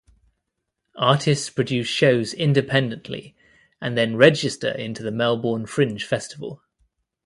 Artists produce shows independently and then register into the Melbourne Fringe Festival.